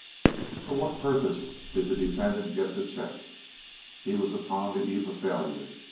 For what purpose did the defendant get the check? He was upon the eve of failure.